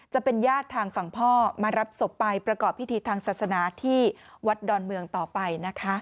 จะเป็นญาติทางฝั่งพ่อมารับศพไปประกอบพิธีทางศาสนาที่วัดดอนเมืองต่อไปนะคะ